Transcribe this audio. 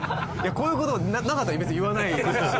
こういう事がなかったら別に言わないですし。